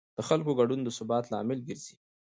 د خلکو ګډون د ثبات لامل ګرځي